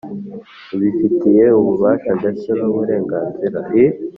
ubifitiye ububasha ndetse nuburenganzira